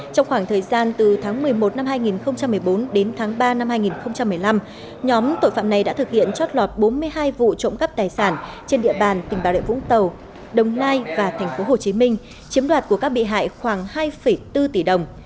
trong khoảng thời gian từ tháng một mươi một năm hai nghìn một mươi bốn đến tháng ba năm hai nghìn một mươi năm nhóm tội phạm này đã thực hiện chót lọt bốn mươi hai vụ trộm cắp tài sản trên địa bàn tỉnh bà rịa vũng tàu đồng nai và tp hcm chiếm đoạt của các bị hại khoảng hai bốn tỷ đồng